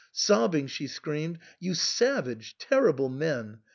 Sobbing, she screamed, "You savage, terrible men!